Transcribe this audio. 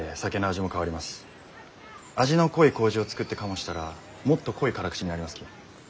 味の濃い麹を作って醸したらもっと濃い辛口になりますき。